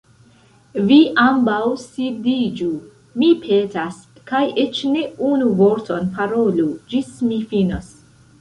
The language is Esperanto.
Vi ambaŭ sidiĝu, mi petas. Kaj eĉ ne unu vorton parolu, ĝis mi finos."